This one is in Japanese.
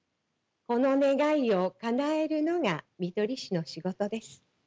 この願いをかなえるのが看取り士の仕事です。